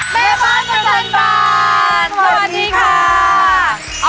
แม่บ้านประจันบานสวัสดีค่ะ